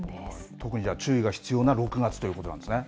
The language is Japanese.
特に注意が必要な６月ということなんですね。